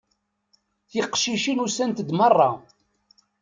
Tiqcicin usant-d merra.